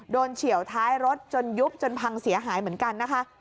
เฉียวท้ายรถจนยุบจนพังเสียหายเหมือนกันนะคะ